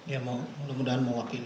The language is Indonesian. ya mudah mudahan mau wakili yang lain